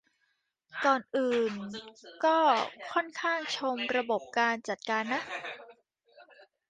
ก่อนอื่นก็ค่อนข้างชมระบบการจัดการนะ